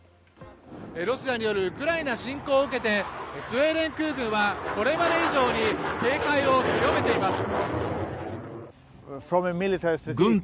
ロシアによるウクライナ侵攻を受けてスウェーデン空軍はこれまで以上に警戒を強めています。